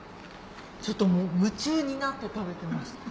ちょっと夢中になって食べてました。